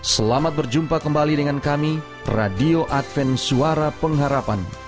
selamat berjumpa kembali dengan kami radio adven suara pengharapan